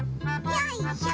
よいしょ。